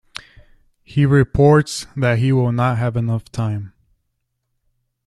He reports that he will not have enough time.